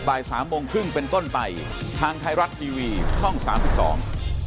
บ่ายสามโมงครึ่งเป็นต้นไปทางไทยรัฐทีวีช่องสามสิบสอง